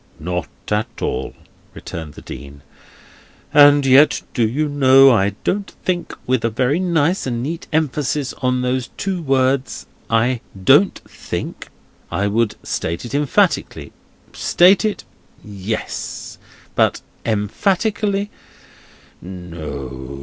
"Not at all," returned the Dean. "And yet, do you know, I don't think," with a very nice and neat emphasis on those two words: "I don't think I would state it emphatically. State it? Ye e es! But emphatically? No o o.